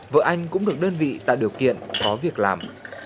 vợ anh cũng được đơn vị tạo điều kiện có việc làm